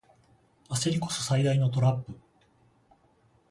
焦りこそ最大のトラップ